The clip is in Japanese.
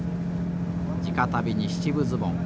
地下足袋に七分ズボン